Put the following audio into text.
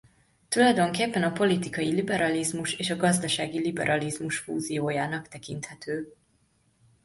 Tulajdonképpen a politikai liberalizmus és a gazdasági liberalizmus fúziójának tekinthető.